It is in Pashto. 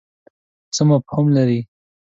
څه مفهوم لري.